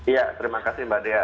iya terima kasih mbak dea